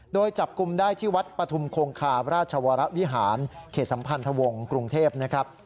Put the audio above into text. โดยจับกลุ่มได้ที่วัดปฐุมคงคาราชวรวิหารเขตสัมพันธวงศ์กรุงเทพนะครับ